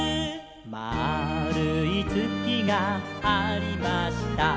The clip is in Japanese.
「まあるいつきがありました」